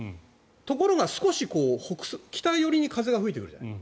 ところが、少し北寄りに風が吹いてくるじゃない。